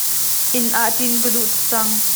Inn ah ṭin ka duh tuk cang.